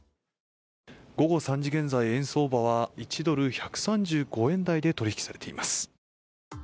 午後３時現在、円相場は１ドル＝１３５円台で取り引きされています。